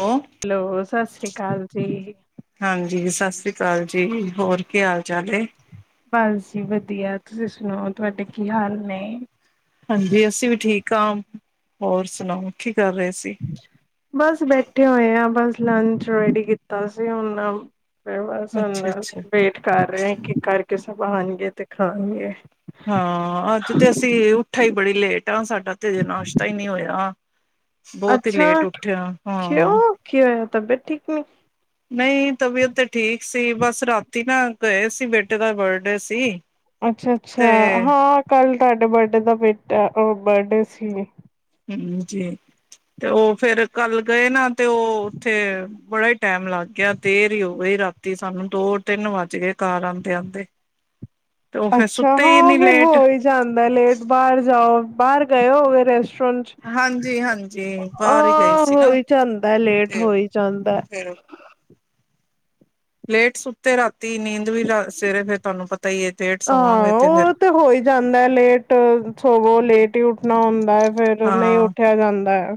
Hello- hello ਸਤਿ ਸ਼੍ਰੀ ਅਕਾਲ ਜੀ ਹਾਂਜੀ ਸਤਿ ਸ਼੍ਰੀ ਅਕਾਲ ਜੀ ਹੋਰ ਕੀ ਹਾਲ ਚਾਲ ਏ ਬਸ ਜੀ ਵਧੀਆ ਤੁਸੀਂ ਸੁਣਾਓ ਤੁਹਾਡੇ ਕੀ ਹਾਲ ਨੇ ਹਾਂਜੀ ਅਸੀਂ ਵੀ ਠੀਕ ਹਾਂ ਹੋਰ ਸੁਣਾਉ ਕੀ ਕਰ ਰਹੇ ਸੀ ਬਸ ਬੈਠੇ ਹੋਏ ਆ ਬਸ ਲੰਚ ਰੈਡੀ ਕੀਤਾ ਸੀ ਹੁਣ ਫਿਰ ਬਸ ਅੱਛਾ ਉਹ ਅੱਛਾ। ਵੇਟ ਕਰ ਰਹੇ ਕਿ ਕਰਕੇ ਸਭ ਆਉਣਗੇ ਤੇ ਖਾਣਗੇ-' ਹਾਂ ਅੱਜ ਤੇ ਅਸੀਂ ਉਠੇ ਹੀ ਬੜੀ ਲੇਟ ਹਾ ਸਾਡਾ ਤੇ ਨਾਸ਼ਤਾ ਹੀ ਨਹੀਂ ਹੋਇਆ ਬਹੁਤ ਹੀ ਅੱਛਾ ਲੇਟ ਉੱਠੇ ਹਾਂ ਕਿਉਂ ਕੀ ਹੋਆ ਤਬੀਅਤ ਠੀਕ ਨਹੀਂ ਨਹੀਂ ਤਬੀਅਤ ਤੇ ਠੀਕ ਸੀ ਬਸ ਰਾਤੀ ਨਾ ਗਏ ਸੀ ਬੇਟੇ ਦਾ ਬਰਡੇ ਸੀ ਅੱਛਾ ਅੱਛਾ ਤੇ ਹਾਂ ਕੱਲ ਤੁਹਾਡੇ ਬਡੇ ਦਾ ਬੇਟਾ ਬਰਡੇ ਸੀ ਹਾਂਜੀ ਤੇ ਉਹ ਫੇਰ ਕੱਲ ਗਏ ਨਾ ਤੇ ਉਹ ਉੱਥੇ ਬੜਾ ਟਾਈਮ ਲੱਗ ਗਿਆ ਦੇਰ ਹੀ ਹੋ ਗਈ ਰਾਤੀ ਸਾਨੂੰ ਦੋ ਤਿੰਨ ਵੱਜ ਗਏ ਘਰ ਆਉਂਦੇ ਆਉਂਦੇ ਤੇ ਉਹ ਫੇਰ ਅੱਛਾ ਸੁੱਤੇ ਹੀ ਹਾਂ ਇੰਨੀ ਫੇਰ ਹੋ ਲੇਟ ਹੀ ਜਾਂਦਾ ਲੇਟ ਬਾਹਰ ਜਾਓ ਬਾਹਰ ਗਏ ਹੋ ਰੈਸਟੋਰੈਟ ਹਾਂਜੀ ਹਾਂਜੀ ਬਾਹਰ ਹੀ ਗਏ ਹਾਂ ਸੀ ਨਾ ਹੋਈ ਜਾਂਦਾ ਲੇਟ ਤੇ ਹੋਈ ਜਾਂਦਾ ਉਹ ਫੇਰ ਲੇਟ ਸੁੱਤੇ ਰਾਤੀ ਨੀਂਦ ਵੀ ਸਵੇਰੇ ਫਿਰ ਤੁਹਾਨੂੰ ਪਤਾ ਹੀ ਹੈ ਲੇਟ ਸਵਾਗੇ ਹਾਂ ਤੇ ਫਿਰ ਉਹ ਤੇ ਹੋਈ ਜਾਂਦਾ ਹੈ ਲੇਟ ਸੋਵੇ ਲੇਟ ਹੀ ਉੱਠਣਾ ਹੁੰਦਾ ਹੈ ਫੇਰ ਨਹੀਂ ਹਾਂ ਉੱਠਿਆ ਜਾਂਦਾ ਹੈ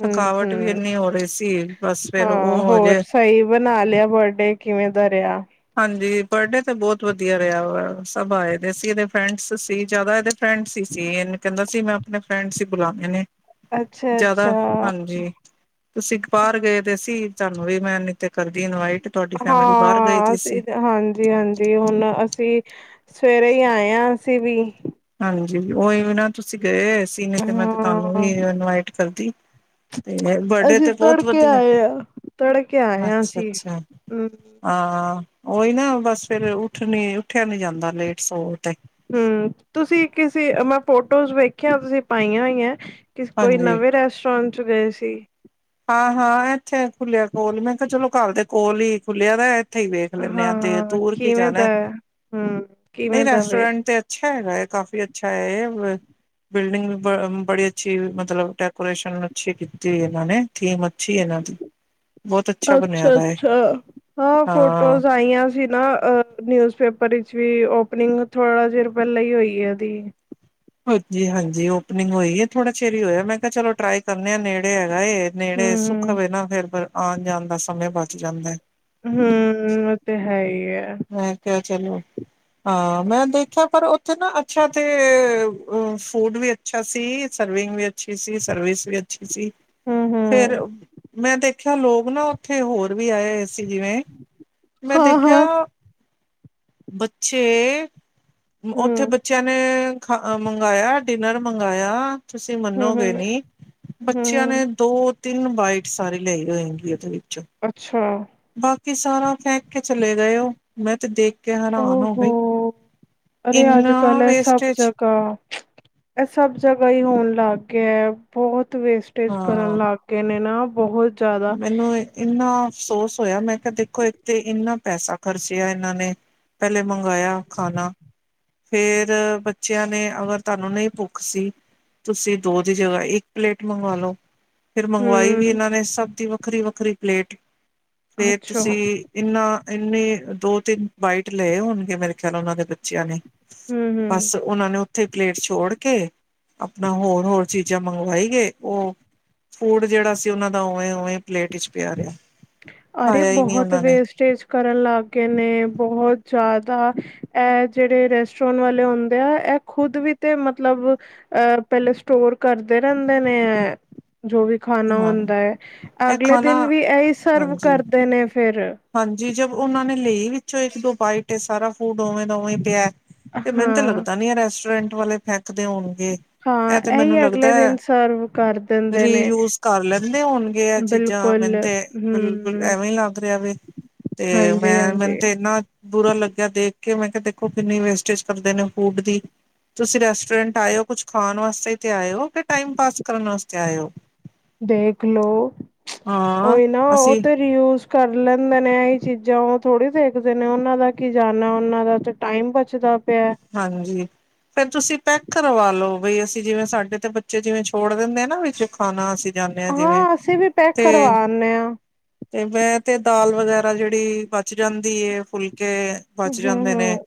ਹੁ ਵੀ ਹੁ ਇੰਨੀ ਹੋ ਰਹੀ ਸੀ ਬਸ ਫੇਰ ਹਾਂ ਉਹ ਹੋਰ ਹਜੇ ਸਹੀ ਬਣਾ ਲਿਆ ਬਰਡੇ ਕਿਵੇਂ ਦਾ ਰਿਹਾ ਹਾਂਜੀ ਬਰਡੇ ਤੇ ਬਹੁਤ ਵਧੀਆ ਰਿਹਾ ਵਾ ਸਭ ਆਏ ਦੇ ਸੀ ਇਹਦੇ ਫਰੈਂਡਸ ਸੀ ਜ਼ਿਆਦਾ ਇਹਦੇ ਫਰੈਂਡਸ ਸੀ ਇਹਨੂੰ ਕਹਿੰਦਾ ਸੀ ਮੈਂ ਆਪਣੇ ਫਰੈਂਡਸ ਹੀ ਬੁਲਾਦੇ ਨੇ ਅੱਛਾ ਅੱਛਾ ਜਦੋ ਹਾਂਜੀ ਤੁਸੀਂ ਬਾਹਰ ਗਏ ਤੇ ਅਸੀ ਤੁਹਾਨੂੰ ਵੀ ਮੈਂ ਨਹੀ ਤੇ ਕਰਦੀ ਇਨਵਾਈਟ ਤੁਹਾਡੀ ਫੈਮਿਲੀ ਬਾਹਰ ਗਏ ਹਾਂ ਹਾਂਜੀ ਹਾਂਜੀ ਹੁਣ ਅਸੀਂ ਸਵੇਰੇ ਹੀ ਆਏ ਹਾਂ ਅਸੀ ਵੀ ਹਾਂਜੀ ਉਹੀ ਵੀ ਨਾ ਤੁਸੀਂ ਗਏ ਸੀ ਨਹੀ ਤੇ ਮੈਂ ਤੁਹਾਨੂੰ ਹਾਂ ਵੀ ਇਨਵਾਈਟ ਕਰਦੀ ਤੇ ਬਰਡੇ ਅਸੀਂ ਤੇ ਬਹੁਤ ਤੜਕੇ ਵਧੀਆ ਆਏ ਆ ਤੜਕੇ ਆਇਆ ਸੀ ਅੱਛਾ-ਅੱਛਾ ਹੁ ਹਾਂ ਉਹੀ ਨਾ ਬਸ ਫਿਰ ਉਠਣੀ ਉੱਠਿਆ ਨੀ ਜਾਂਦਾ ਲੇਟ ਸੋ ਤੇ ਹੂੰਮ ਤੁਸੀਂ ਕਿਸੇ ਮੈਂ ਫੋਟੌਆ ਵੇਖਿਆ ਤੁਸੀਂ ਪਾਈਆਂ ਹੋਈਆਂ ਹੈ ਕਿਸ ਕੋਈ ਹਾਂਜੀ ਨਵੇਂ ਰੈਸਟੋਰੈਂਟ ਵਿਚ ਗਏ ਸੀ ਹਾਂ ਹਾਂ ਇੱਥੇ ਖੁੱਲਿਆ ਕੋਲ ਮੈਂ ਕਿਹਾ ਚਲੋ ਘਰ ਦੇ ਕੋਲ ਹੀ ਖੁੱਲਿਆ ਵੈ ਇੱਥੇ ਹੀ ਵੇਖ ਲੈਂਦੇ ਹਾਂ ਦੇ ਦੂਰ ਕੀ ਕਿਵੇਂ ਦਾ ਜਾਣਾ ਹੈ? ਹੂੰ ਨਹੀਂ ਕਿਵੇਂ ਦਾ ਵੇ ਰੈਸਟੋਰੈਂਟ ਤੇ ਅੱਛਾ ਹੈਗਾ ਕਾਫੀ ਅੱਛਾ ਹੈ ਬਿਲਡਿੰਗ ਵੀ ਬੜੀ ਅੱਛੀ ਮਤਲਬ ਡੈਕੋਰੇਸ਼ਨ ਅੱਛੀ ਕੀਤੀ ਇਹਨਾਂ ਨੇ ਟੀਮ ਅੱਛੀ ਹੈ ਇਹਨਾਂ ਦੀ ਬਹੁਤ ਬਣਿਆ ਅੱਛਾ ਦਾ ਹੈ ਅੱਛਾ ਹਾਂ ਫੋਟੌਜ ਆਈਆਂ ਸੀ ਨਾ ਨਿਊਜ਼ ਪੇਪਰ ਵਿੱਚ ਵੀ ਓਪਨਿੰਗ ਥੋੜਾ ਚਿਰ ਪਹਿਲਾਂ ਹੀ ਹੋਈ ਹੈ ਇਹਦੀ ਹਾਂਜੀ ਹਾਂਜੀ ਓਪਨਿੰਗ ਹੋਈ ਹੈ ਥੋੜਾ ਚਿਰ ਹੀ ਹੋਇਆ ਮੈਂ ਕਿਹਾ ਚਲੋ ਟਰਾਈ ਕਰਨੇ ਨੇੜੇ ਨੇੜੇ ਹੈਗਾ ਏ ਨੇੜੇ ਸੁੱਖ ਹੂੰ ਵੇ ਨਾ ਫਿਰ ਆਨ ਜਾਨ ਦਾ ਸਮੇ ਬਚ ਜਾਂਦਾ। ਹੂੰ, ਓਹ ਤੇ ਹੈ ਈ ਅ। ਮੈਂ ਕਿਹਾ ਚਲੋ ਹਾਂ ਮੈਂ ਦੇਖਿਆ ਪਰ ਓਥੇ ਨਾ ਅੱਛਾ ਤੇ ਫੂਡ ਵੀ ਅੱਛਾ ਸੀ ਸਰਵਿੰਗ ਵੀ ਅੱਛੀ ਸੀ ਸਰਵਿਸ ਵੀ ਅੱਛੀ ਸੀ ਹੂੰ-ਹੂੰ ਫੈਰ ਮੈਂ ਦੇਖ ਯਾ ਲੋਗ ਨਾ ਓਥੇ ਹੋਰ ਵੀ ਆਏ ਅਏ ਸੀ ਜਿਵੇਂ ਮੈਂ ਦੇਖਿਆ ਹਾਂ-ਹਾਂ ਬੱਚੇ ਓਥੇ ਹੂੰ ਬੱਚਿਆਂ ਨੇ ਖਾ ਮੰਗਾਇਆ, ਡਿਨਰ ਮੰਗਾਇਆ ਤੁਸੀਂ ਮੰਨੋਗੇ ਹੂੰ-ਹੂੰ ਨਹੀਂ ਹੂੰ ਬੱਚਿਆਂ ਨੇ ਹੂੰ ਦੋ ਤਿੰਨ ਬਾਈਟ ਸਾਰੀ ਲਈ ਹੋਏਗੀ ਓਹਦੇ ਵਿੱਚੋਂ। ਅੱਛਾ ਬਾਕੀ ਸਾਰਾ ਫੇਂਕ ਕੇ ਚਲੇ ਗਏ ਓ, ਮੈਂ ਤੇ ਦੇਖ ਕੇ ਹੈਰਾਨ ਓਹ ਹੋ ਗਈ ਹੋੋ ਅਰੇ ਅੱਜ ਇੰਨਾ ਕੱਲ ਐ ਸਭ ਵੇਸਟੇਜ ਜਗ੍ਹਾ ਇਹ ਸਭ ਜਗ੍ਹਾ ਹੀ ਹੋਣ ਲੱਗ ਗਿਆ ਬਹੁਤ ਵੇਸਟੇਜ ਕਰਨ ਹਾਂ ਲੱਗ ਗਏ ਨੇ ਨਾ ਬੋਹੁਤ ਮੈਨੂੰ ਇੰਨਾ ਅਫਸੋਸ ਹੋਇਆ ਮੈਂ ਕਿਹਾ ਦੇਖੋ ਇੱਕ ਤੇ ਇੰਨਾ ਪੈਸਾ ਖਰਚਿਆ ਇਹਨਾਂ ਨੇ ਪਹਿਲੇ ਮੰਗਾਇਆ ਖਾਨਾ ਫੈਰ ਬੱਚਿਆਂ ਨੇ ਅਗਰ ਤੁਹਾਨੂੰ ਨਹੀਂ ਭੁੱਖ ਸੀ ਤੁਸੀਂ ਦੋ ਦੀ ਜਗ੍ਹਾ ਇੱਕ ਪਲੇਟ ਮੰਗਵਾ ਲੋ। ਫਿਰ ਮੰਗਵਾਈ ਵੀ ਹੂੰ ਇਹਨਾਂ ਨੇ ਸਭ ਦੀ ਵੱਖਰੀ- ਵੱਖਰੀ ਪਲੇਟ ਫੇਰ ਅੱਛਾ ਤੁਸੀਂ ਹੂੰ ਇੰਨਾ-ਇੰਨੀ, ਦੋ- ਤਿੰਨ ਬਾਈਟ ਲਏ ਹੋਨਗੇ ਮੇਰੇ ਖਿਆਲ ਉਹਨਾਂ ਦੇ ਬੱਚਿਆਂ ਨੇ ਹੂੰ ਬੱਸ ਓਹਨਾਂ ਨੇ ਉੱਥੇ ਪਲੇਟ ਛੋੜ ਕੇ ਆਪਨਾ ਹੋਰ- ਹੋਰ ਚੀਜ਼ਾਂ ਮੰਗਵਾਈ ਗਏ ਓਹ ਫੂਡ ਜੇੜਾ ਸੀ ਓਨਾਂ ਦਾ ਉਵੇਂ- ਉਵੇਂ ਪਲੇਟ ਵਿੱਚ ਪਿਆ ਰਿਆ ਅਰੇ ਬੋਹਤ ਵੇਸਟੇਜ ਕਰਨ ਲੱਗ ਗਏ ਨੇ ਬਹੁਤ ਜਾਦਾ ਇਹ ਜੈੜੇ ਰੈਸਟੋਰੈਂਟ ਵਾਲੇ ਹੁੰਦੇ ਆ ਇਹ ਖ਼ੁਦ ਵੀ ਤੇ ਮਤਲੱਬ ਇਹ ਪਹਿਲੇ ਸਟੋਰ ਕਰਦੇ ਰਹਿੰਦੇ ਨੇ ਹੈ। ਜੋ ਵੀ ਖਾਨਾ ਹਾਂ ਹੁੰਦਾ ਐ। ਇਹ ਅਗਲੇ ਖਾਣਾ ਦਿਨ ਵੀ ਇਹੀ ਸਰਵ ਹਾਂਜੀ ਕਰਦੇ ਨੇ ਫੇਰ ਹਾਂਜੀ ਜਬ ਉਹਨਾਂ ਨੇ ਲਈ ਵਿੱਚੋਂ ਇੱਕ ਦੋ ਬਾਈਟ ਸਾਰਾ ਫੂਡ ਉਵੇਂ ਦਾ ਉਵੇਂ ਪਿਆ। ਤੇ ਮੈਨੂੰ ਤਾਂ ਹਾਂ ਲੱਗਦਾ ਨੀ ਅ, ਰੈਸਟੋਰੈਂਟ ਵਾਲੇ ਫੇਂਕਦੇ ਹੋਨਗੇ। ਹਾਂ ਇਹ ਤੇ ਮੈਨੂੰ ਇਹੀ ਅਗਲੇ ਲੱਗਦਾ, ਦਿਨ ਸਰਵ ਕਰ ਦਿੰਦੇ ਰੀ ਨੇ ਯੂਜ਼ ਕਰ ਲੈਂਦੇ ਹੋਨਗੇ ਆ ਚੀਜ਼ਾਂ ਬਿਲਕੁਲ ਮੈਨੂੰ ਤੇ ਬਿਲਕੁੱਲ ਹੂੰ ਐਵੇਂ ਹੀ ਲੱਗ ਰਿਆ ਵੇ। ਤੇ ਹਾਂਜੀ ਮੈਂ, ਮੈਨੂੰ ਹਾਂਜੀ ਤੇ ਇਨਾ ਬੁਰਾ ਲੱਗਿਆ ਦੇਖਕੇ ਮੈਂ ਕਿਹਾ ਦੇਖੋ ਕਿੰਨੀ ਵੇਸਟੇਜ ਕਰਦੇ ਨੇ ਫੂਡ ਦੀ ਤੁਸੀਂ ਰੈਸਟੋਰੈਂਟ ਆਇਓ ਕੁੱਛ ਖਾਨ ਵਾਸਤੇ ਆਇੳ ਕਿ ਟਾਈਮ ਪਾਸ ਕਰਨ ਵਾਸਤੇ ਆਯੇ ਓ। ਦੇਖਲੋ ਹਾਂ ਓਹੀ ਨਾ ਓਹ ਅਸੀਂ ਤੇ ਰੀ ਯੂਜ਼ ਕਰ ਲੈਂਦੇ ਨੇ ਇਹੀ ਚੀਜ਼ਾਂ ਉਹ ਥੋੜੀ ਦੇਖਦੇ ਨੇ ਓਨਾਂ ਦਾ ਕੀ ਜਾਨਾ ਓਨਾਂ ਦਾ ਟਾਈਮ ਬੱਚਦਾ ਪਿਆ- ਹਾਂਜੀ। ਫੇਰ ਤੁਸੀਂ ਪੈਕ ਕਰਵਾ ਲੋ ਬਈ ਅਸੀਂ ਜਿਵੇਂ ਸਾਡੇ ਤੇ ਬੱਚੇ ਜਿਵੇਂ ਛੋੜ ਦਿੰਦੇ ਆ ਨਾ ਵਿੱਚ ਖਾਨਾ ਅਸੀਂ ਜਾਂਦੇ ਜਿਵੇਂ ਹਾਂ ਅਸੀਂ ਵੀ ਪੈਕ ਤੇ ਕਰਵਾ ਆਨੇ ਆ। ਤੇ ਮੈਂ ਤੇ ਦਾਲ ਵਗੈਰਾ ਜੇੜੀ ਬੱਚ ਜਾਂਦੀ ਏ, ਫੁਲਕੇ ਹੂੰ ਬੱਚ ਜਾਂਦੇ ਨੇ ਹੂੰ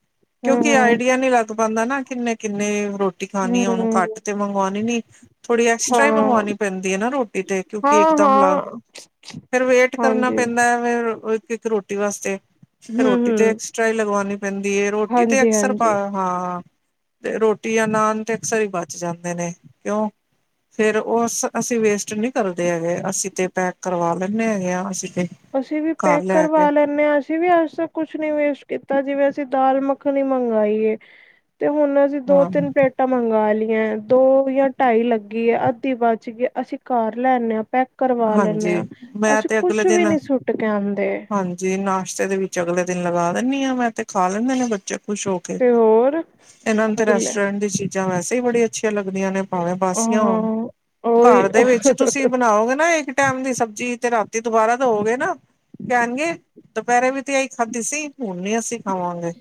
ਹੂੰ ਕਿਉਂਕਿ ਆਈ ਹੂੰ ਨਹੀਂ ਲੱਗ ਪਾਂਦਾ ਨਾ ਕਿੰਨੇ- ਕਿੰਨੇ ਰੋਟੀ ਖਾਨੀ ਐ ਹੁਨ ਘੱਟ ਹੂੰ ਤੇ ਮੰਗਵਾਨੀ ਨੀ। ਥੋੜ੍ਹੀ ਐਕਸਟਰਾ ਹੀ ਹਾਂ ਮੰਗਵਾਨੀ ਪੈਂਦੀ ਏ ਨਾ ਰੋਟੀ ਤੇ ਕਿਉਂਕਿ ਹਾਂ ਇੱਕਦਮ ਲਾ ਹਾਂ ਫਿਰ ਵੇਟ ਕਰਨਾ ਹਾਂਜੀ ਪੈਂਦਾ ਫੇਰ ਇਕ - ਇੱਕ ਰੋਟੀ ਰੋਟੀ ਵਾਸਤੇ ਹੂੰ ਰੋਟੀ ਹੂੰ ਤੇ ਐਕਸਟਰਾ ਹੀ ਲਗਵਾਣੀ ਪੈਂਦੀ ਏ ਰੋਟੀ ਤੇ ਹਾਂਜੀ ਅਕਸਰ ਪਾ ਹਾਂਜੀ ਹਾਂ ਤੇ ਰੋਟੀ ਯਾਂ ਨਾਨ ਤੇ ਅਕਸਰ ਹੀ ਬਚ ਜਾਂਦੇ ਨੇ ਕਿਉਂ ਫੇਰ ਉਹ ਅਸ ਅਸੀਂ ਵੇਸਟ ਨਹੀਂ ਕਰਦੇ ਹੈਗੇ ਅਸੀਂ ਤੇ ਪੈਕ ਕਰਵਾ ਲੈਂਦੇ ਹੈਗੇ ਆ। ਅਸੀਂ ਤੇ ਅਸੀਂ ਵੀ ਘਰ ਪੈਕ ਲੈ ਕੇ ਕਰਵਾ ਲੈਂਣੇ ਆਂ। ਅਸੀਂ ਵੀ ਅੱਜ ਤਾਂ ਕੁੱਛ ਨਹੀਂ ਵੇਸਟ ਕੀਤਾ ਜਿਵੇਂ ਅਸੀਂ ਦਾਲ ਮੱਖਣੀ ਮੰਗਾਈ ਏ ਤੇ ਹੁਣ ਹਾਂ ਦੋ-ਤਿੰਨ ਪਲੇਟ। ਪਲੇਟਾਂ ਮੰਗਵਾ ਲਈਆਂ ਦੋ ਜਾਂ ਢਾਈ ਲੱਗੀ ਏ ਅੱਧੀ ਬਚ ਗਈ ਅਸੀਂ ਕਰ ਲੈਂਣੇ ਆ ਪੈਕ ਕਰਵਾ ਲੈਂਣੇ ਹਾਂਜੀ ਆ ਮੈਂ ਅਸੀਂ ਤੇ ਅਗਲੇ ਕੁਛ ਵੀ ਦਿਨ ਨੀ ਸੁੱਟ ਕੇ ਆਦੇ। ਹਾਂਜੀ! ਨਾਸ਼ਤੇ ਦੇ ਵਿੱਚ ਅਗਲੇ ਦਿਨ ਲਗਾ ਦਿੰਨੀ ਆਂ ਮੈਂ ਤੇ ਖਾ ਲੈਂਦੇ ਨੇ ਬੱਚੇ। ਖ਼ੁਸ਼ ਹੋ ਕੇ ਤੇ ਹੋਰ ਇਹਨਾਂ ਨੂੰ ਤੇ ਅਗਲੇ ਰੈਸਟੋਰੈਂਟ ਦੀ ਚੀਜ਼ਾਂ ਵੈਸੇ ਹੀ ਬੜੀਆਂ ਅੱਛੀਆਂ ਲੱਗਦੀਆਂ ਨੇ। ਪਾਵੇ ਬਸੀਆਂ ਹੋਣ ਹਾਂ ਘਰ ਉਹੀ ਦੇ ਹਾਂ ਵਿੱਚ ਤੁਸੀਂ ਬਣਾਓਗੇ ਨਾ ਇੱਕ ਟਾਈਮ ਦੀ ਸਬਜ਼ੀ ਤੇ ਰਾਤੀਂ ਦੁਬਾਰਾ ਦਿਉ ਗੇ ਨਾ। ਕਹਿਣਗੇ ਦੁਪਹਿਰੇ ਵੀ ਤੇ ਆਈ ਖਾਧੀ ਸੀ ਹੁਣ ਨੀ ਅਸੀਂ ਖਾਵਾਂਗੇ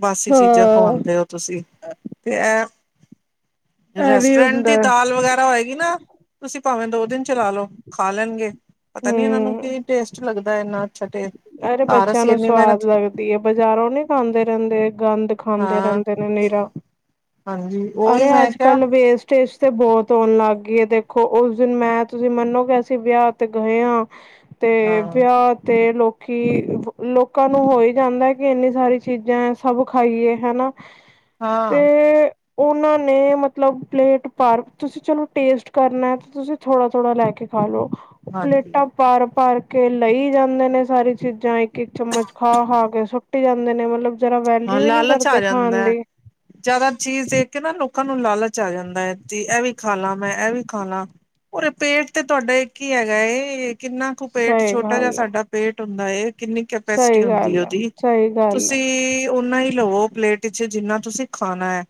ਬਾਸੀ ਚੀਜ਼ਾਂ ਖਵਾਉਂਦੇ ਹੋ ਤੁਸੀਂ ਤੇ ਇਹ ਇਹ ਵੀ ਰੈਸਟੋਰੈਂਟ ਦੀ ਹੁੰਦਾ ਦਾਲ ਵਗੈਰਾ ਹੋਏਗੀ ਨਾ ਤੁਸੀਂ ਭਾਵੇਂ ਦੋ ਦਿਨ ਚਲਾ ਲੋੋ। ਖਾ ਲੈਣਗੇ ਪਤਾ ਨੀ ਇਹਨਾਂ ਨੂੰ ਹਮ ਕੀ ਟੇਸਟ ਲੱਗਦਾ ਇੰਨਾ। ਅੱਛਾ! ਕਿ ਘਰ ਅਸੀਂ ਇਨੀ ਮਿਹਨਤ ਦੀ ਬਜ਼ਾਰੋਂ ਨੀ ਖਾਂਦੇ ਰਹਿੰਦੇ ਗੰਦ ਖਾਂਦੇ ਹਾਂ ਰਹਿੰਦੇ ਨੇ ਨਿਰਾ ਹਾਂਜੀ ‌। ਉਹੀ ਅਰੇ ਮੈਂ ਕਿਹਾ ਅੱਜ-ਕੱਲ ਵੇਸਟ ਟੇਜ ਤੇ ਬਹੁਤ ਹੋਣ ਲੱਗ ਗਈ ਏ ਦੇਖੋ ਉਸ ਦਿਨ ਮੈਂ ਤੁਸੀਂ ਮੰਨੋਗੇ ਅਸੀਂ ਵਿਆਹ ਤੇ ਗਏ ਆ। ਹੂੰ! [inaudible] ਤੇ ਵਿਆਹ ਤੇ ਲੋਕੀਂ ਕਿ ਲੋਕਾਂ ਨੂੰ ਹੋ ਹੀ ਜਾਂਦਾ ਕਿ ਇੰਨੀ ਸਾਰੀ ਚੀਜ਼ਾਂ ਸਭ ਖਾਈਏ ਹਨਾ। ਤੇ ਹਾਂ! ਉਹਨਾਂ ਨੇ ਮਤਲਬ ਪਲੇਟ ਪਾਰ ਤੁਸੀਂ ਚਲੋ ਟੇਸਟ ਕਰਨਾ ਤਾਂ ਤੁਸੀਂ ਥੋੜ੍ਹਾ- ਥੋੜ੍ਹਾ ਲੈ ਕੇ ਖਾ ਲਓ ਹਾਂਜੀ ਪਲੇਟਾਂ ਭਾਰ- ਭਾਰ ਕੇ ਲਈ ਜਾਂਦੇ ਨੇ ਸਾਰੇ। ਚੀਜ਼ਾਂ ਇੱਕ- ਇੱਕ ਚਮਚ ਖਾ- ਖਾ ਕੇ ਸੁੱਟੀ ਜਾਂਦੇ ਨੇ ਮਤਲਬ ਜਰਾ ਹਾਂ ਵੈਲਿਊ ਹੀ ਨਹੀਂ ਲਾਲਚ ਆ ਕਰਦੇ ਜਾਂਦਾ ਖਾਣ ਹੈ ਦੀ। ਜ਼ਿਆਦਾ ਚੀਜ਼ ਦੇਖ ਕੇ ਨਾ ਲੋਕਾਂ ਨੂੰ ਲਾਲਚ ਆ ਜਾਂਦਾ ਹੈ ਕਿ ਇਹ ਵੀ ਖਾ ਲਾ ਮੈਂ ਇਹ ਵੀ ਖਾ ਲਾ। ਉਰੇ ਪੇਟ ਤੇ ਤੁਹਾਡਾ ਇੱਕ ਹੀ ਹੈਗਾ ਏ ਕਿੰਨਾ ਕੁ ਪੇਟ ਸਹੀ ਛੋਟਾ ਜਿਹਾ ਗੱਲ ਆ ਸਾਡਾ ਪੇਟ ਹੁੰਦਾ ਏ। ਕਿੰਨੀ ਕੈਪੈਸਿਟੀ ਸਹੀ ਹੁੰਦੀ ਗੱਲ ਆ ਉਹਦੀ ਸਹੀ ਗੱਲ ਆ ਤੁਸੀਂ। ਓਨਾ ਹੀ ਲਵੋ ਪਲੇਟ ਚ ਜਿੰਨਾ ਤੁਸੀਂ ਖਾਣਾ ਐ।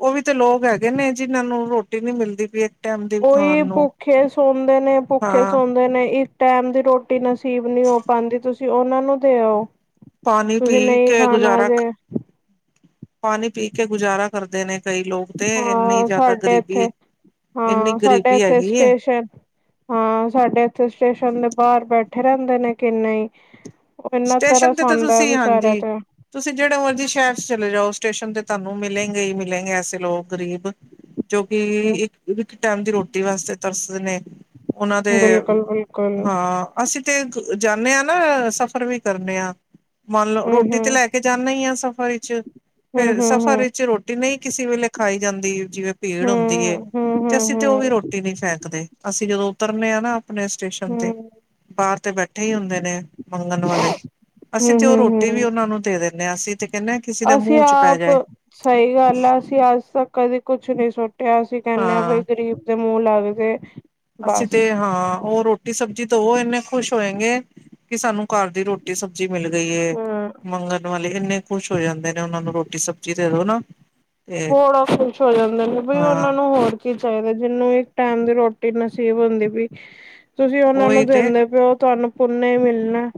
ਉਹ ਵੀ ਤੇ ਲੋਕ ਹੈਗੇ ਨੇ ਜਿਹਨਾਂ ਨੂੰ ਰੋਟੀ ਨੀ ਮਿਲਦੀ ਪਈ। ਟਾਈਮ ਦੀ ਖਾਣ ਉਹੀ ਨੂੰ ਭੁੱਖੇ ਸੌਦੇ ਨੇ, ਭੁੱਖੇ ਹਾਂ ਸੌਦੇ ਨੇ ਇੱਕ ਟੈਮ ਦੀ ਰੋਟੀ। ਨਸੀਬ ਨਹੀਂ ਹੋ ਪਾਦੀ। ਤੁਸੀਂ ਉਹਨਾ ਨੂੰ ਦੇ ਆਓ ਪਾਣੀ ਤੁਸੀਂ ਪੀ ਨਹੀਂ ਕੇ ਖਾਣਾ ਗੁਜ਼ਾਰਾ ਜੇ। ਪਾਣੀ ਪੀ ਕੇ ਗੁਜ਼ਾਰਾ ਕਰਦੇ ਨੇ। ਕਈ ਲੋਕ ਤੇ ਇੰਨੀ ਹਾਂ! ਜ਼ਿਆਦਾ ਸਾਡੇ ਗ਼ਰੀਬੀ ਇੱਥੇ। ਇੰਨੀ ਹਾਂ! ਸਾਡੇ ਗ਼ਰੀਬੀ ਇੱਥੇ ਹੈਗੀ ਏ ਸਟੇਸ਼ਨ। ਹਾਂ! ਸਾਡੇ ਇੱਥੇ ਸਟੇਸ਼ਨ ਦੇ ਬਾਹਰ ਬੈਠੇ ਰਹਿੰਦੇ ਨੇ ਕਿੰਨੇ ਹੀ। ਉਹ ਇੰਨਾ ਸਟੇਸ਼ਨ ਤਰਸ ਤੇ ਤਾਂ ਆਉਂਦਾ ਤੁਸੀਂ ਵਿਚਾਰਿਆਂ ਹਾਂਜੀ ਤੇ। ਤੁਸੀਂ ਜਿਹੜੇ ਮਰਜ਼ੀ ਸ਼ਹਿਰ ਚ ਚਲੇ ਜਾਓ ਸਟੇਸ਼ਨ ਤੇ ਤੁਹਾਨੂੰ ਮਿਲਲੇਗੇ ਹੀ ਮਿਲਲੇਗੇ ਐਸੇ ਲੋਕ ਗਰੀਬ। ਜੋ ਕਿ ਇੱਕ-ਇੱਕ ਟਾਈਮ ਦੀ ਰੋਟੀ ਵਾਸਤੇ ਤਰਸਦੇ ਨੇ। ਉਹਨਾਂ ਦੇ ਬਿਲਕੁਲ ਬਿਲਕੁਲ ਹਾਂ! ਅਸੀਂ ਤੇ ਜਾਣੇ ਹਾਂ ਨਾ ਸਫ਼ਰ ਵੀ ਕਰਨੇ ਹਾਂ ਮੰਨ ਲਓ ਹਮ ਰੋਟੀ ਤੇ ਹਮ ਲੈ ਕੇ ਕੇ ਜਾਣੇ ਹੀ ਆ ਸਫ਼ਰ ਵਿੱਚ ਹਮ ਫੇਰ ਸਫ਼ਰ ਹਮ ਵਿੱਚ ਰੋਟੀ ਨਹੀਂ ਕਿਸੇ ਵੇਲੇ ਖਾਈ ਜਾਂਦੀ ਜਿਵੇਂ। ਭੀੜ ਹੁੰਦੀ ਏ ਹਮ ਹਮ ਹਮ ਤੇ ਹਮ ਅਸੀਂ ਤੇ ਉਹ ਵੀ ਹਮ ਰੋਟੀ ਨੀ ਫੇਕਦੇ ਅਸੀਂ ਜਦੋਂ ਉਤਰਨੇ ਹਾਂ ਨਾ। ਆਪਣੇ ਸਟੇਸ਼ਨ ਤੇ ਬਾਹਰ ਤੇ ਬੈਠੇ ਹੀ ਹੁੰਦੇ ਨੇ ਮੰਗਣ ਵਾਲੇ। ਅਸੀਂ ਤੇ ਹਮ ਉਹ ਹਮ ਰੋਟੀ ਵੀ ਹਮ ਉਹਨਾਂ ਨੂੰ ਦੇ ਦਿੰਦੇ ਹਾਂ, ਅਸੀਂ ਤੇ ਕਹਿੰਦੇ ਹਾਂ ਕਿਸੇ ਦੇ ਅਸੀਂ ਮੂੰਹ 'ਚ ਪੈ ਆਪ ਜਾਏ। ਸਹੀ ਗੱਲ ਆ। ਅਸੀਂ ਅੱਜ ਤੱਕ ਕਦੇ ਕੁਛ ਨਹੀਂ ਸੁੱਟਿਆ, ਅਸੀਂ ਕਹਿੰਦੇ ਹਾਂ ਬਈ ਗ਼ਰੀਬ ਦੇ ਮੂੰਹ ਲੱਗ ਜੇ। ਅਸੀਂ ਤੇ ਹਾਂ ਉਹ ਰੋਟੀ ਸਬਜ਼ੀ ਦੋ ਉਹ ਇੰਨੇ ਖੁਸ਼ ਹੋਏਗੇ ਕਿ ਸਾਨੂੰ ਘਰ ਦੀ ਰੋਟੀ ਰੋਟੀ ਸਬਜ਼ੀ ਮਿਲ ਗਈ ਏ, ਹਮ ਮੰਗਣ ਵਾਲੇ ਇੰਨੇ ਖੁਸ਼ ਹੋ ਜਾਂਦੇ ਨੇ ਉਹਨਾਂ ਨੂੰ ਰੋਟੀ ਸਬਜ਼ੀ ਦੇ ਦੋ ਨਾ। ਤੇ ਬਾਲਾ ਖੁਸ਼ ਹੋ ਜਾਂਦੇ ਨੇ, ਬਈ ਹਾਂ ਉਹਨਾਂ ਨੂੰ ਹੋਰ ਕੀ ਚਾਹੀਦਾ ਜਿਹਨੂੰ ਇੱਕ ਟੈਮ ਦੀ ਰੋਟੀ ਨਸੀਬ ਹੁੰਦੀ ਪਈ ਤੁਸੀਂ ਉਹਨਾ ਉਹੀ ਨੂੰ ਤੇ ਦਿੰਦੇ ਪਿਓ ਤੁਹਾਨੂੰ ਪੁੁੰਨ ਹੀ ਮਿਲਣਾ।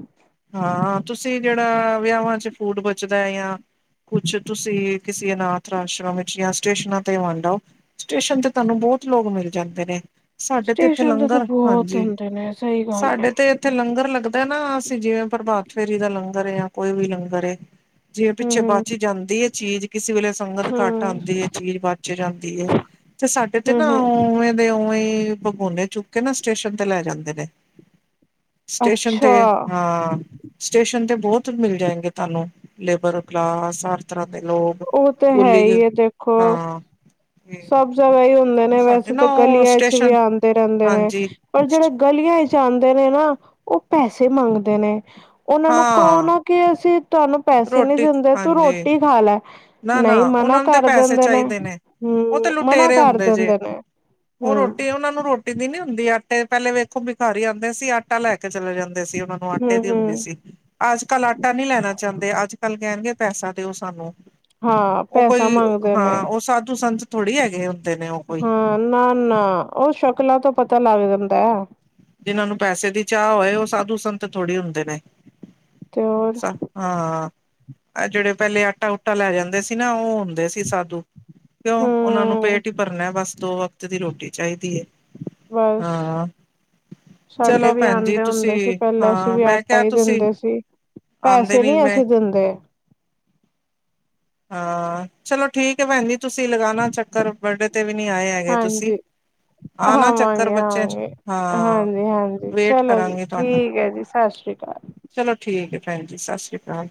ਹਾਂ ਤੁਸੀਂ ਜਿਹੜਾ ਵਿਆਹਾਂ ਚ ਫੂਡ ਬਚਦਾ ਹੈ ਜਾਂ ਕੁਛ ਤੁਸੀਂ ਕਿਸੇ ਅਨਾਥ ਰਾਸ਼ਰਮ ਵਿੱਚ ਜਾਂ ਸਟੇਸ਼ਨਾਂ ਤੇ ਵੰਡ ਆਓ। ਸਟੇਸ਼ਨ ਤੇ ਤੁਹਾਨੂੰ ਬਹੁਤ ਲੋਕ ਮਿਲ ਜਾਂਦੇ ਨੇ। ਸਾਡੇ ਤੇ ਇੱਥੇ ਸਟੇਸ਼ਨ ਤਾਂ ਲੰਗਰ, ਬਹੁਤ ਹਾਂਜੀ ਹੁੰਦੇ ਨੇ ਸਹੀ ਗੱਲ ਸਾਡੇ ਹੈ ਤੇ ਇੱਥੇ ਲੰਗਰ ਲੱਗਦਾ ਨਾ ਅਸੀਂ ਜਿਵੇਂ ਪ੍ਰਭਾਤ ਫੇਰੀ ਦਾ ਲੰਗਰ ਜਾਂ ਕੋਈ ਵੀ ਲੰਗਰ ਏ ਜਿਵੇਂ ਪਿੱਛੇ ਹਮ ਬਚੀ ਜਾਂਦੀ ਹੈ ਚੀਜ਼ ਕਿਸੇ ਵੇਲੇ ਹਮ ਸੰਗਤ ਘੱਟ ਹਮ ਆਉਂਦੀ ਹੈ, ਚੀਜ਼ ਬਚ ਜਾਂਦੀ ਹੈ। ਤੇ ਸਾਡੇ ਤੇ ਨਾ ਹਮ ਹਮ ਉਵੇ ਦੇ ਉਵੇਂ ਹੀ ਬਗੋਨੇ ਚੁੱਕ ਕੇ ਨਾ ਸਟੇਸ਼ਨ ਤੇ ਲੈ ਜਾਂਦੇ ਨੇ। ਸਟੇਸ਼ਨ ਅੱਛਾ ਤੇ ਹਾਂ ਸਟੇਸ਼ਨ ਤੇ ਬਹੁਤ ਮਿਲ ਜਾਏਗੇ ਤੁਹਾਨੂੰ ਲੇਬਰ ਕਲਾਸ ਹਰ ਤਰ੍ਹਾਂ ਦੇ ਲੋਕ ਉਹ ਤਾਂ ਹੈ ਕੁਲੀ ਹੀ ਹੈ ਦੇਖੋ ਹਾਂ ਤੇ ਸਭ ਜਗ੍ਹਾ ਹੀ ਹੁੰਦੇ ਉਹ ਨੇ ਸਾਡੇ ਵੈਸੇ ਨਾ ਤਾਂ ਉਹ ਗਲੀਆਂ ਚ ਵੀ ਸਟੇਸ਼ਨ ਆਉਂਦੇ ਰਹਿੰਦੇ ਨੇ। ਹਾਂਜੀ ਪਰ ਫਿਰ ਗਲੀਆਂ ਜਾਂਦੇ ਨੇ ਨਾ ਉਹ ਪੈਸੇ ਮੰਗਦੇ ਨੇ, ਉਹਨਾਂ ਨੂੰ ਕੋ ਹਾਂ ਨਾ ਕਿ ਅਸੀਂ ਤੁਹਾਨੂੰ ਪੈਸੇ ਨੀ ਰੋਟੀ ਦਿੰਦੇ, ਤੂੰ ਹਾਂਜੀ ਰੋਟੀ ਖਾ ਲੈ। ਨਾ, ਨਾ ਨਹੀਂ ਮਨਾ ਉਹਨਾਂ ਨੂੰ ਤਾਂ ਕਰ ਪੈਸੇ ਦਿੰਦੇ ਚਾਹੀਦੇ ਨੇ, ਉਹ ਹਮ ਤੇ ਮਨਾ ਲੁਟੇਰੇ ਕਰ ਹੁੰਦੇ ਜੇ। ਦਿੰਦੇ ਨੇ ਉਹ ਹਮ ਰੋਟੀ ਉਹਨਾ ਨੂੰ ਰੋਟੀ ਦੀ ਨੀ ਹੁੰਦੀ ਆਟੇ ਪਹਿਲੇ ਵੇਖੋ ਬਿਖਾਰੀ ਆਉਂਦੇ ਸੀ ਆਟੇ ਆਟਾ ਲੈ ਕੇ ਚਲੇ ਜਾਂਦੇ ਸੀ ਉਹਨਾ ਨੂੰ ਆਟੇ ਹਮ ਦੀ ਹੁੰਦੀ ਹਮ ਸੀ। ਅੱਜ-ਕੱਲ ਆਟਾ ਨੀ ਲੈਣਾ ਚਾਹੁੰਦੇ, ਅੱਜ-ਕੱਲ ਕਹਿਣਗੇ ਪੈਸਾ ਦਿਓ ਸਾਨੂੰ। ਹਾਂ ਉਹ ਪੈਸਾ ਕੋਈ ਮੰਗਦੇ ਨੇ ਹਾਂ ਉਹ ਸਾਧੂ ਸੰਤ ਥੋੜ੍ਹੀ ਹੈਗੇ। ਨੇ ਉਹ ਕੋਈ ਹਾਂ ਨਾ, ਨਾ ਉਹ ਸ਼ਕਲਾਂ ਤੋਂ ਪਤਾ ਲੱਗ ਜਾਂਦਾ ਆ। ਜਿਹਨਾਂ ਨੂੰ ਪੈਸੇ ਦੀ ਚਾਹ ਹੋਵੇ ਉਹ ਸਾਧੂ ਸੰਤ ਥੋੜ੍ਹੀ ਹੁੰਦੇ ਨੇ। ਤੇ ਹੋਰ। ਹਾਂ ਜਿਹੜੇ ਪਹਿਲੇ ਆਟਾ-ਓਟਾ ਲੈ ਜਾਂਦੇ ਸੀ ਨਾ, ਉਹ ਹੁੰਦੇ ਸੀ ਸਾਧੂ। ਕਿਉਂ ਉਹਨਾ ਨੂੰ ਹਮ ਪੇਟ ਹੀ ਭਰਨਾ ਬਸ ਦੋ ਵਕਤ ਦੀ ਰੋਟੀ ਚਾਹੀਦੀ ਹੈ। ਬਸ। ਹਾਂ ਸਾਡੇ ਚਲੋ ਵੀ ਭੈਣ ਜੀ ਆਉਂਦੇ ਤੁਸੀਂ ਹੁੰਦੇ ਸੀ ਪਹਿਲਾਂ, ਅਸੀਂ ਹਾਂ ਵੀ ਮੈਂ ਆਟਾ ਕਿਹਾ ਹੀ ਤੁਸੀਂ ਦਿੰਦੇ ਸੀ। ਆਉਂਦੇ ਅਸੀਂ ਨੀ ਨਹੀਂ ਮੈਂ ਪੈਸੇ ਦਿੰਦੇ। ਹਾਂ ਚਲੋ ਠੀਕ ਹੈ ਭੈਣਜੀ, ਤੁਸੀਂ ਲਗਾਣਾ ਚੱਕ ਘਰ ਬਰਡੇ ਤੇ ਵੀ ਨੀ ਆਏ ਹੈਗੇ ਤੁਸੀਂ ਹਾਂਜੀ ਆ ਨਾ ਚੱਕਰ ਬੱਚਿਆਂ ਚ ਹਾਂਜੀ-ਹਾਂਜੀ ਚਲੋ ਜੀ, ਤੁਹਾਡਾ ਠੀਕ ਹੈ ਜੀ, ਸਤਿ ਸ਼੍ਰੀ ਅਕਾਲ। ਚਲੋ ਠੀਕ ਹੈ ਭੈਣ ਜੀ ਸਤਿ ਸ਼੍ਰੀ ਅਕਾਲ।